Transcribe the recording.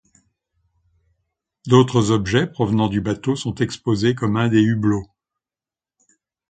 D'autres objets provenant du bateau sont exposés, comme un des hublots.